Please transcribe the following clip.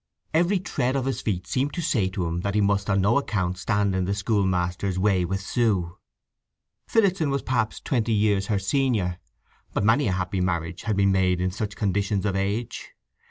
Every tread of his feet seemed to say to him that he must on no account stand in the schoolmaster's way with Sue. Phillotson was perhaps twenty years her senior, but many a happy marriage had been made in such conditions of age.